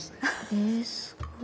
えすごい。